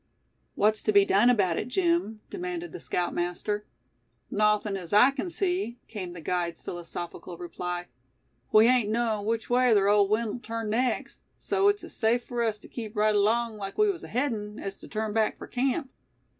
"What's to be done about it, Jim?" demanded the scoutmaster. "Nawthin' as I kin see," came the guide's philosophical reply. "We hain't knowin' which way ther ole wind'll turn next, so it's as safe fur us tew keep right along like we was aheadin', as tew turn back fur camp."